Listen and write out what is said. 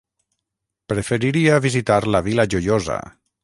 Preferiria visitar la Vila Joiosa.